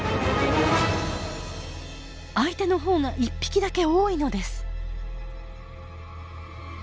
相手のほうが１匹だけ多いのです。